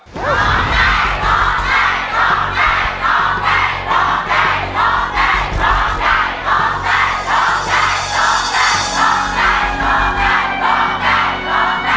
โทรใจโทรใจโทรใจโทรใจโทรใจโทรใจ